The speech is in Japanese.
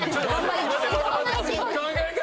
考え方